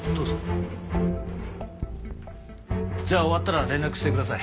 じゃあ終わったら連絡してください。